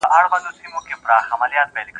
ځینې خبرونه خلک اندېښمنوي